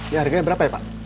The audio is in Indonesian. ya harganya berapa ya pak